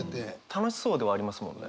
楽しそうではありますもんね。